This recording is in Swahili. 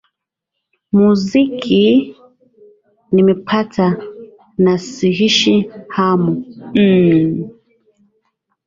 muziki nimepata na siishi hamu mmuuuh